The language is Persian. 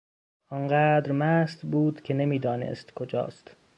آنقدر مست بود که نمیدانست کجاست.